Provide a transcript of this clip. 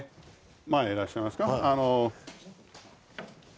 前いらっしゃいますか。